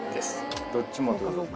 どっちもってことですね。